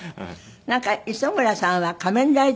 なんか磯村さんは仮面ライダーだった。